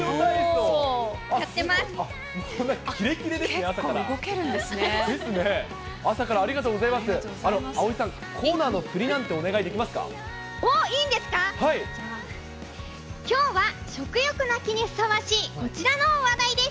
じゃあ、きょうは食欲の秋にふさわしいこちらの話題です。